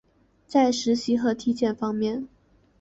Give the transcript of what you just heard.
在实习和体验方面